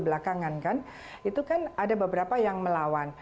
belakangan kan itu kan ada beberapa yang melawan